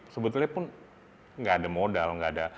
sebetulnya pun gak ada modal